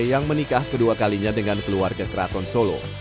yang menikah kedua kalinya dengan keluarga keraton solo